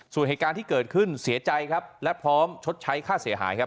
ส่วนเหตุการณ์ที่เกิดขึ้นเสียใจครับและพร้อมชดใช้ค่าเสียหายครับ